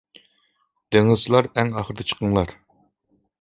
دېڭىزچىلار ئەڭ ئاخىرىدا چىقىڭلار.